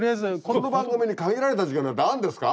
この番組に限られた時間なんてあるんですか？